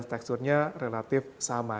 teksturnya relatif sama